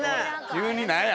急に何や？